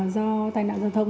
do tài nạn giao thông